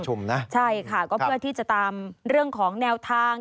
ใช่ค่ะก็เพื่อที่จะตามเรื่องของแนวทาง